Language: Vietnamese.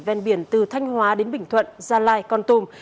ven biển từ thanh hóa đến bình thuận gia lai con tum